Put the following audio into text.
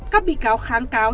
các bị cáo kháng cáo